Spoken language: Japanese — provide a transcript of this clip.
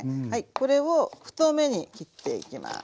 これを太めに切っていきます。